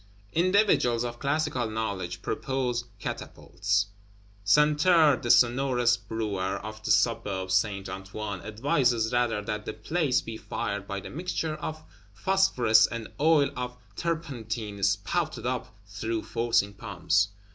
Individuals of classical knowledge propose catapults. Santerre, the sonorous Brewer of the Suburb Saint Antoine, advises rather that the place be fired by a "mixture of phosphorus and oil of turpentine spouted up through forcing pumps."